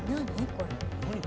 これ。